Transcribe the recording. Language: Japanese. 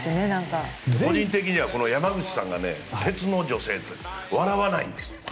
個人的には山口さんが鉄の女性笑わないんですよ。